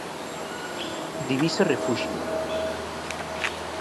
Divisa refuxio